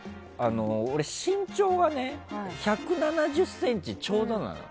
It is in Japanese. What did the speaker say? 俺、身長が１７０ｃｍちょうどなのよ。